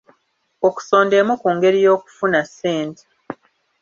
Okusonda emu ku ngeri y'okufuna ssente.